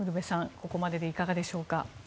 ここまででいかがでしょうか。